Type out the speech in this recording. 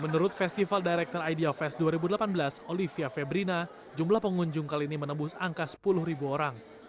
menurut festival director idea fest dua ribu delapan belas olivia febrina jumlah pengunjung kali ini menembus angka sepuluh orang